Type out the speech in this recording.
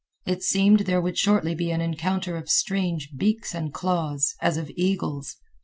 It seemed there would shortly be an encounter of strange beaks and claws, as of eagles.